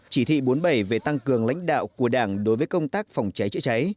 chỉ thị bốn mươi bảy về tăng cường lãnh đạo của đảng đối với công tác phòng cháy chữa cháy